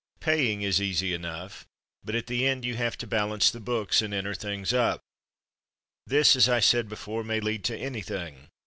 Paying is easy enough, but at the end you have to ''balance the books" and "enter things up/* This, as I said before, may lead to anything.